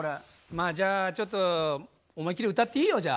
まあじゃあちょっと思い切り歌っていいよじゃあ。